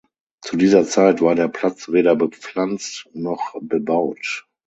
Zu dieser Zeit war der Platz weder bepflanzt noch bebaut.